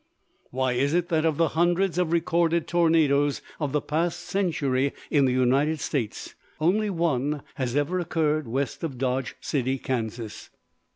Why is it that of the hundreds of recorded tornadoes of the past century in the United States, only one has ever occurred west of Dodge City, Kansas?